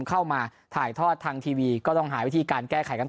เข้ามาถ่ายทอดทางทีวีก็ต้องหาวิธีการแก้ไขกัน